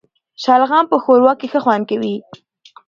شلغم په ښوروا کي ښه خوند کوي